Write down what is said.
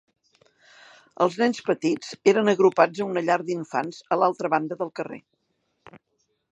Els nens petits eren agrupats a una llar d'infants a l'altra banda del carrer.